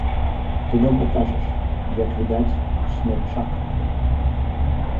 Ты добра кажаш, як відаць, смяльчак!